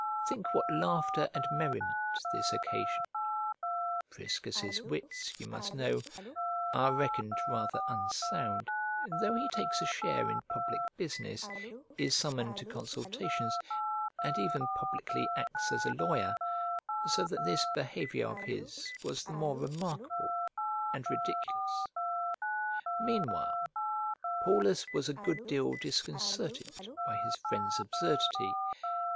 Think what laughter and merriment this occasioned. Priscus's wits, you must know, are reckoned rather unsound, though he takes a share in public business, is summoned to consultations, and even publicly acts as a lawyer, so that this behaviour of his was the more remarkable and ridiculous: meanwhile Paulus was a good deal disconcerted by his friend's absurdity.